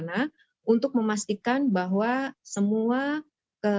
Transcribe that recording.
yang juga dikirimkan oleh tim perusahaan